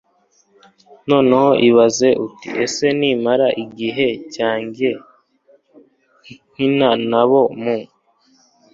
noneho ibaze uti ese nimara igihe cyanjye nkina n abo mu